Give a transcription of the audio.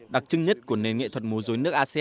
đặc trưng nhất của nền nghệ thuật mô dối nước asean